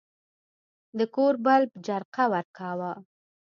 د کور بلب جرقه ورکاوه.